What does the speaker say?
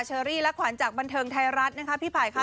อรี่และขวัญจากบันเทิงไทยรัฐนะคะพี่ไผ่ค่ะ